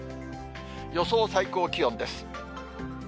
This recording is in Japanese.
予想最高気温です。